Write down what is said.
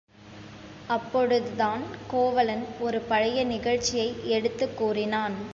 அப்பொழுது கோவலன் ஒரு பழைய நிகழ்ச்சியை எடுத்துக் கூறினான்.